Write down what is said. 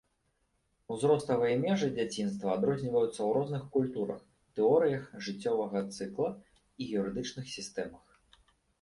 Узроставыя межы дзяцінства адрозніваюцца ў розных культурах, тэорыях жыццёвага цыкла і юрыдычных сістэмах.